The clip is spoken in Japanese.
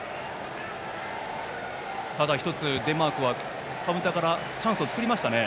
ただ１つ、デンマークはカウンターからチャンスを作りましたね。